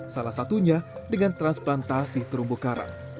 salah satunya dengan transplantasi terumbu karang